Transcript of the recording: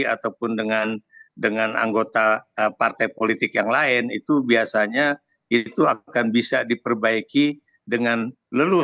ataupun dengan anggota partai politik yang lain itu biasanya itu akan bisa diperbaiki dengan leluhur